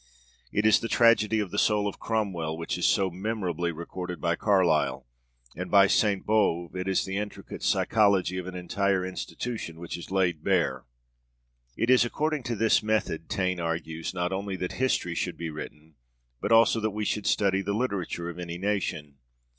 It is the tragedy of the soul of Cromwell which is so memorably recorded by Carlyle; and by Sainte Beuve it is the intricate psychology of an entire institution which is laid bare. It is according to this method, Taine argues, not only that history should be written, but also that we should study the literature of any nation.